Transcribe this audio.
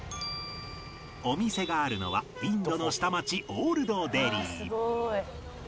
お店があるのはインドの下町オールドデリー